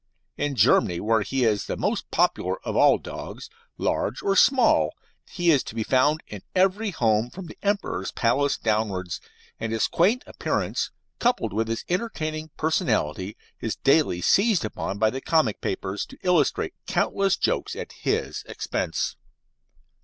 In Germany, where he is the most popular of all dogs, large or small, he is to be found in every home, from the Emperor's palace downwards, and his quaint appearance, coupled with his entertaining personality, is daily seized upon by the comic papers to illustrate countless jokes at his expense.